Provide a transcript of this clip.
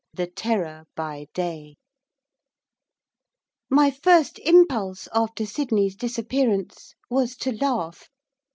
THE TERROR BY DAY My first impulse, after Sydney's disappearance, was to laugh.